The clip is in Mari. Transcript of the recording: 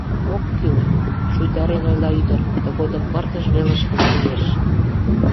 — Ок кӱл... — шуйдарен ойла ӱдыр, тыгодым пырдыж велышкыла лиеш.